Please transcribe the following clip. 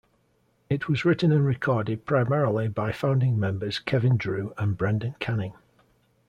It was written and recorded primarily by founding members Kevin Drew and Brendan Canning.